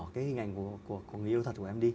cái hình ảnh của người yêu thật của em đi